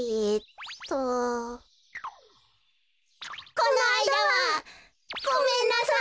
このあいだはごめんなさい。